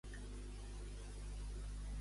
Quin altre càrrec té Junqueras?